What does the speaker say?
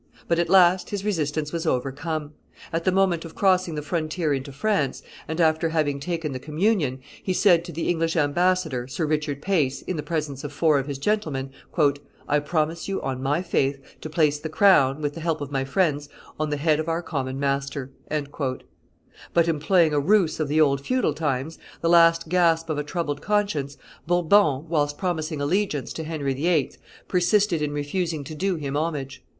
But at last his resistance was overcome. At the moment of crossing the frontier into France, and after having taken the communion, he said to the English ambassador, Sir Richard Pace, in the presence of four of his gentlemen, "I promise you, on my faith, to place the crown, with the help of my friends, on the head of our common master." But, employing a ruse of the old feudal times, the last gasp of a troubled conscience, Bourbon, whilst promising allegiance to Henry VIII., persisted in refusing to do him homage.